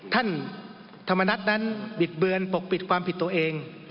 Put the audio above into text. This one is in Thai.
ธรรมนัฐนั้นบิดเบือนปกปิดความผิดตัวเอง